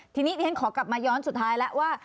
ทีนี้ดิฉันขอกลับมาย้อนสุดท้ายแล้วว่า